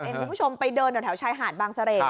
เพื่อนคุณผู้ชมไปเดินตัวแถวชายหาดบางเสร็จ